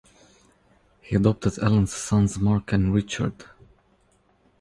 He adopted Allen's sons Mark and Richard.